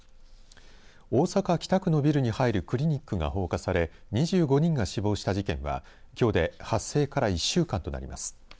大阪、北区のビルに入るクリニックが放火され２５人が死亡した事件はきょうで発生から１週間となります。